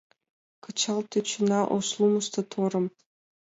Кычал тӧчена ош лумышто торым!